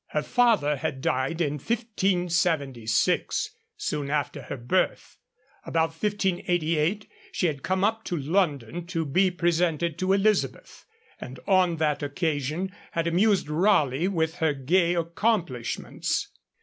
Her father had died in 1576, soon after her birth. About 1588 she had come up to London to be presented to Elizabeth, and on that occasion had amused Raleigh with her gay accomplishments.